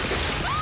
あ！